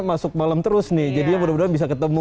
masuk malam terus nih jadi mudah mudahan bisa ketemu